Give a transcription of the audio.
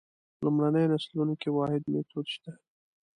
لومړنیو نسلونو کې واحد میتود شته.